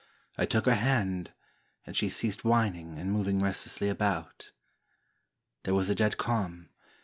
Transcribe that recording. I took her hand, and she ceased whining and moving restlessly about. There was a dead calm.